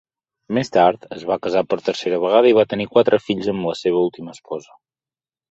Més tard, es va casar per tercera vegada i va tenir quatre fills amb la seva última esposa.